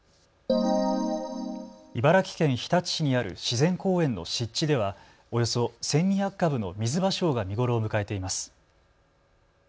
茨城県日立市にある自然公園の湿地ではおよそ１２００株のミズバショウが見頃を迎えています。